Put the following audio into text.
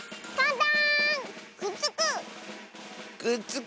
くっつく！